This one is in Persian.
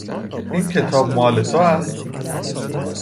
این کتاب مال تو است.